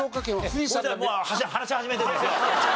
話し始めてるんですよ。